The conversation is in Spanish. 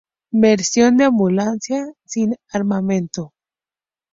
Versión de Ambulancia, sin armamento.